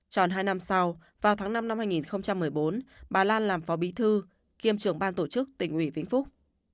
tròn hai năm sau vào tháng năm năm hai nghìn một mươi bốn bà lan làm phó bí thư kiêm trưởng ban tổ chức tỉnh ủy vĩnh phúc